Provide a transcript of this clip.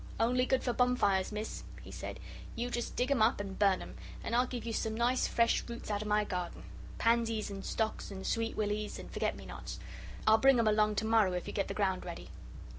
"Only good for bonfires, Miss," he said. "You just dig 'em up and burn 'em, and I'll give you some nice fresh roots outer my garden; pansies, and stocks, and sweet willies, and forget me nots. I'll bring 'em along to morrow if you get the ground ready."